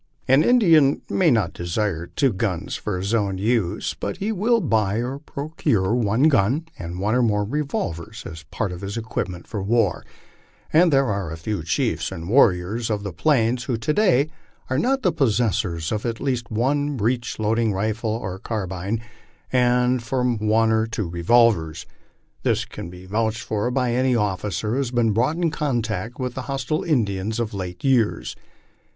An Indian may not desire two guns for iiis own use, but he will buy or procure one gun and one or more revolvers as a part of his equipment for war, and there are few of the chiefs and war riors of the plains who to day are not the possessors of at least one breech load ing rifle or carbine, and from one to two revolvers. This can be vouched for by any officer who has been brought in contact with the hostile Indians of late years.